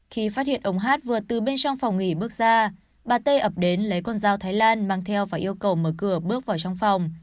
khi phát hiện ông hát vừa từ bên trong phòng nghỉ bước ra bà tê ập đến lấy con dao thái lan mang theo và yêu cầu mở cửa bước vào trong phòng